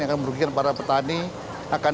yang akan merugikan para petani akan